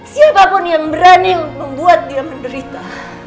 siapapun yang berani membuat dia menderita